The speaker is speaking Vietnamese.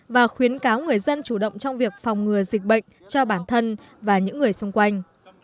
và khuyến cáo người dân chủ động trong việc phòng ngừa dịch bệnh cho bản thân và những người xung quanh